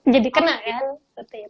jadi kena kan gitu